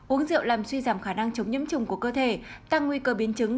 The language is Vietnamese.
uống rượu làm suy giảm khả năng chống nhiễm trùng của cơ thể tăng nguy cơ biến chứng